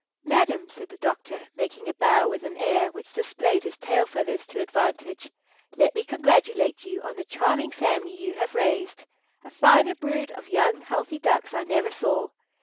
"Madam," said the doctor, making a bow with an air which displayed his tail feathers to advantage, "let me congratulate you on the charming family you have raised. A finer brood of young, healthy ducks I never saw.